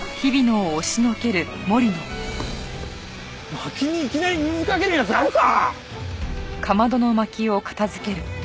薪にいきなり水かける奴があるか！